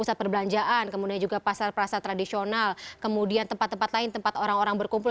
pusat perbelanjaan kemudian juga pasar pasar tradisional kemudian tempat tempat lain tempat orang orang berkumpul